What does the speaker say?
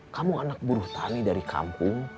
kamu anak buruh tani dari kampung